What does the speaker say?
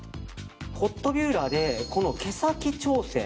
ホットビューラーで毛先調整。